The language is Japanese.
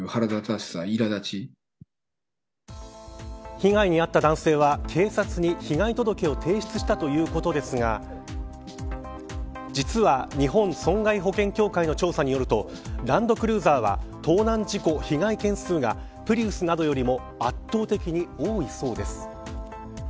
被害に遭った男性は警察に被害届を提出したということですが実は、日本損害保険協会の調査によるとランドクルーザーは盗難事故被害件数がプリウスなどよりも圧倒的に多いそうです。